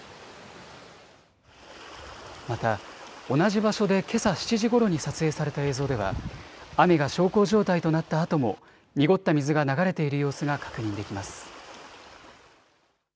また、同じ場所でけさ７時ごろに撮影された映像では、雨が小康状態となったあとも、濁った水が流れている様子が確認できます。